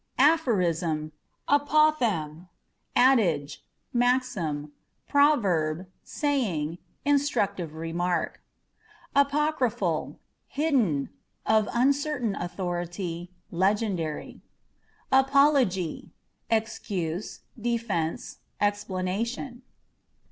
Aphorism, Apophthegm â€" adage, maxim, proverb, saying, in structive remark. Apocryphal â€" hidden, of uncertain authority, legendary. Apology â€" excuse, defence, explanation.